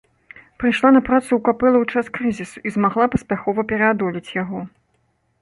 Прыйшла на працу ў капэлу ў час крызісу і змагла паспяхова пераадолець яго.